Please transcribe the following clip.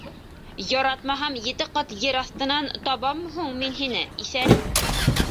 — Яратмаһам, ете ҡат ер аҫтынан табаммы һуң мин һине, иҫәрем.